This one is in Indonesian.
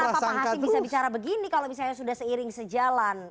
tapi ini kenapa pak hashim bisa bicara begini kalau misalnya sudah seiring sejalan